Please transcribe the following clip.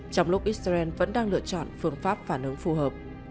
trong lúc israel vẫn đang lựa chọn phương pháp phản ứng phù hợp